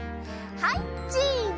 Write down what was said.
はいチーズ！